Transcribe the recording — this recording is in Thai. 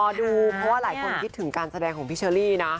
อ่ะรอดูเพราะลายคนคิดถึงการแสดงของพี่เชอรี่นะ